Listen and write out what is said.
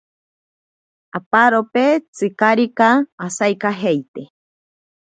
Aparope tsikarika asaikajeite.